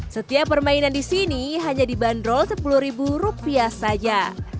setiap permainan di sini hanya dibanderol sepuluh ribu rupiah saja